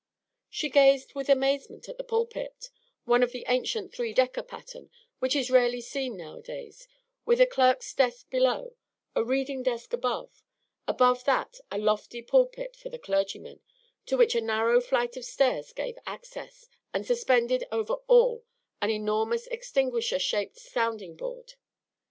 She gazed with amazement at the pulpit, one of the ancient "three decker" pattern, which is rarely seen now a days, with a clerk's desk below, a reading desk above, above that a lofty pulpit for the clergyman, to which a narrow flight of stairs gave access, and suspended over all an enormous extinguisher shaped sounding board.